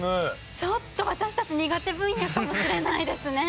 ちょっと私たち苦手分野かもしれないですね。